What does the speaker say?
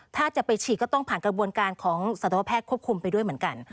ถ้าจะไปฉีดก็ต้องผ่านกระบวนการของสัตวแพทย์ควบคุมไปด้วยเหมือนกัน